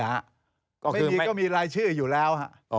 ไม่มีก็มีรายชื่ออยู่แล้ว